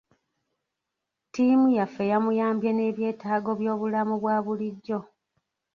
Ttiimu yaffe yamuyambye n'ebyetaago by'obulamu bwa bulijjo.